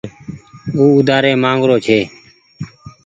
او اوڍآري مآنگ رو ڇي۔